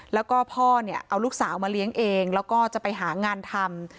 แล้วก็พ่อเนี่ยเอาลูกสาวมาเลี้ยงเองแล้วก็จะไปหางานทำ